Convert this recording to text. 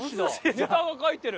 ネタが書いてる。